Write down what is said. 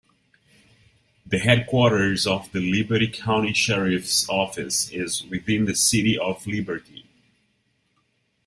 The headquarters of the Liberty County Sheriff's Office is within the city of Liberty.